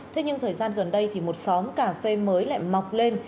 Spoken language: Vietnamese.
thế nhưng thời gian gần đây thì một xóm cà phê mới lại mọc lên